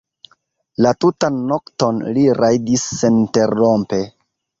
La tutan nokton li rajdis seninterrompe.